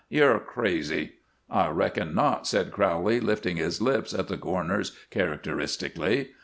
You're crazy." "I reckon not," said Crowley, lifting his lips at the corners characteristically.